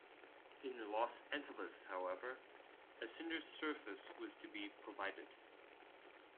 In Los Angeles, however, a cinder surface was to be provided.